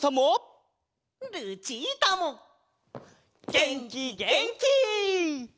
げんきげんき！